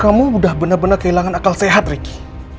kamu udah benar benar kehilangan akal sehat ricky